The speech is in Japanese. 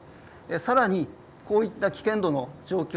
さらにこういった危険度の状況